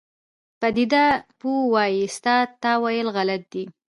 پدیده پوه وایي ستا تاویل غلط دی.